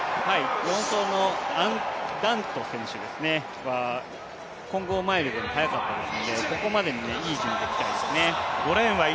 ４走のアンダント選手は混合マイルでも速かったですのでここまでにいい感じでいきたいですね。